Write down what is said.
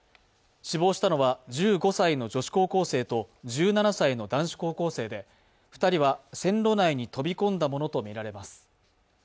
死亡したのは１５歳の女子高校生と１７歳の男子高校生で、２人は線路内に飛び込んだものとみられます。